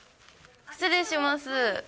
失礼します。